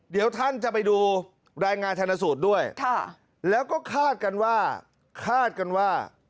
เดี๋ยวท่านจะไปดูรายงานชนสูตรด้วยแล้วก็คาดกันว่าคาดกันว่า